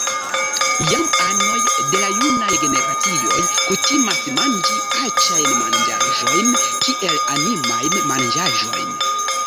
Jam anoj de la junaj generacioj kutimas manĝi aĉajn manĝaĵojn kiel “animajn manĝaĵojn.